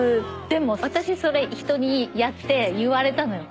でも私それ人にやって言われたのよ